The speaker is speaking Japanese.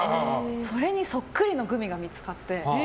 それにそっくりのグミが見つかって。